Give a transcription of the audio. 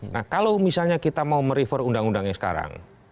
nah kalau misalnya kita mau merefer undang undangnya sekarang